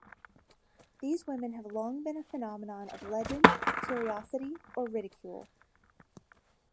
These women have long been a phenomenon of legend, curiosity, or ridicule.